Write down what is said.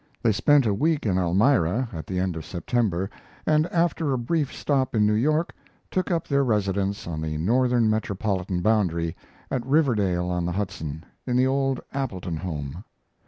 They spent a week in Elmira at the end of September, and after a brief stop in New York took up their residence on the northern metropolitan boundary, at Riverdale on the Hudson, in the old Appleton home.